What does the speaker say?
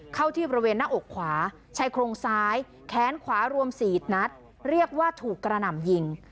เข้าที่บริเวณหน้าอกขวาชายโครงซ้ายแขนขวารวม๔นัดเรียกว่าถูกกระหน่ำยิง